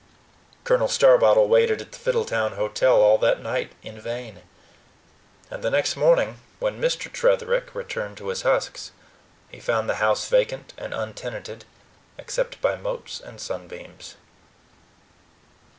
Colonel Starbottle waited at the Fiddletown Hotel all that night in vain. And the next morning, when Mr. Tretherick returned to his husks, he found the house vacant and untenanted, except by motes and sunbeams.